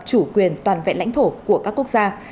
chủ quyền toàn vẹn lãnh thổ của các quốc gia